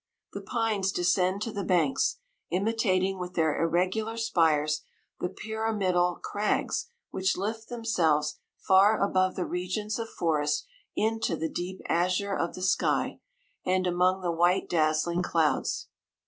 The pines descend to the banks, imi tating with their irregular spires, the pyramidal crags which lift themselves far above the regions of forest into the deep azure of the sky, and among the white dazzling clouds.